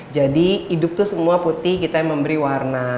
jadi hidup tuh semua putih kita yang memberi warna